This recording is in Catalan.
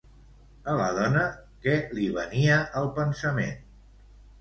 A la dona, què li venia al pensament?